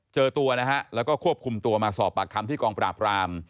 เจอตัวนะฮะแล้วก็ควบคุมตัวมาสอบปากคำที่กองปราบราม